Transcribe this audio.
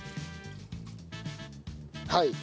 はい。